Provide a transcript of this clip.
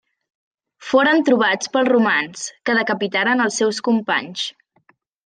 Foren trobats pels romans, que decapitaren els seus companys.